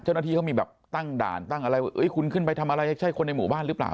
เจ้าหน้าที่เขามีแบบตั้งด่านตั้งอะไรว่าคุณขึ้นไปทำอะไรใช่คนในหมู่บ้านหรือเปล่า